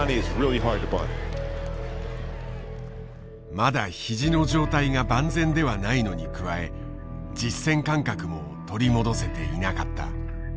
まだ肘の状態が万全ではないのに加え実戦感覚も取り戻せていなかった。